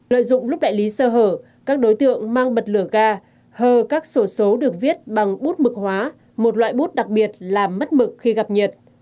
lợi dụng lúc đại lý sơ hở các đối tượng mang bật lửa ga hờ các sổ số được viết bằng bút mực hóa một loại bút đặc biệt là mất mực khi gặp nhiệt